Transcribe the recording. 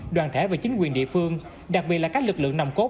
đoàn thể và chính quyền địa phương đặc biệt là các lực lượng nồng cốt